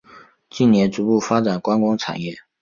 近年逐步发展观光产业。